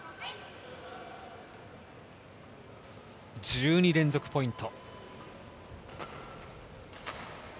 １２連続ポイント。